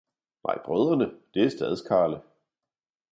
nej, brødrene det er stads-karle!